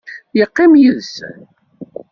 Yeqqim yid-sen.